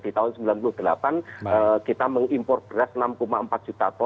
di tahun seribu sembilan ratus sembilan puluh delapan kita mengimpor beras enam empat juta ton